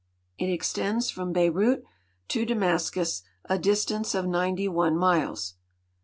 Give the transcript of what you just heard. It extends from Beirut to Damascus, a distance of 91 miles.